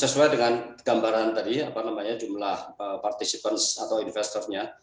sesuai dengan gambaran tadi apa namanya jumlah partisipan atau investornya